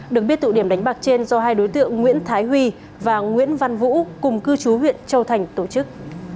được biết tụ điểm đánh bạc trên do hai đối tượng nguyễn thái huy và nguyễn văn vũ cùng cư chú huyện châu thành tổ chức